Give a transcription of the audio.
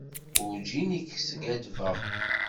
Werǧin i k-skaddbeɣ.